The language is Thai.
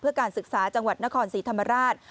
เพื่อการศึกษาจังหวัดนครศรีธรรมราช